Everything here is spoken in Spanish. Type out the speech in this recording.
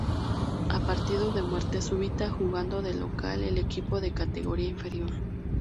A partido de muerte súbita, jugando de local el equipo de categoría inferior.